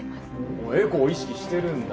おエコを意識してるんだ。